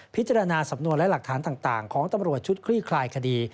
สำนวนและหลักฐานต่างของตำรวจชุดคลี่คลายคดี